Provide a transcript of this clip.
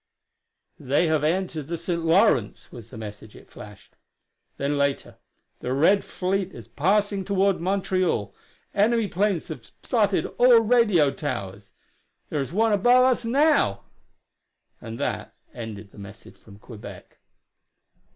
"They have entered the St. Lawrence," was the message it flashed. Then, later: "The Red fleet is passing toward Montreal. Enemy planes have spotted all radio towers. There is one above us now " And that ended the message from Quebec.